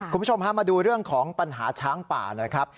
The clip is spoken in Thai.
คุณผู้ชมฮะมาดูเรื่องของปัญหาช้างป่าหน่อยครับ